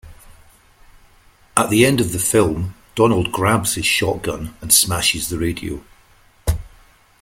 At the end of the film Donald grabs his shotgun and smashes the radio.